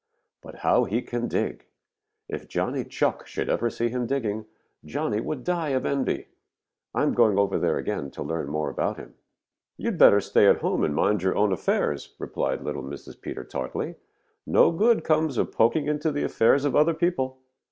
But how he can dig! If Johnny Chuck should ever see him digging, Johnny would die of envy. I'm going over there again to learn more about him." "You'd better stay at home and mind your own affairs," replied little Mrs. Peter tartly. "No good comes of poking into the affairs of other people."